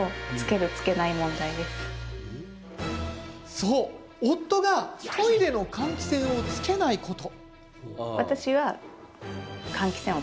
そう、夫がトイレの換気扇をつけないこと。